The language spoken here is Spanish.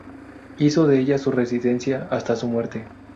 Hizo de ella su residencia hasta su muerte.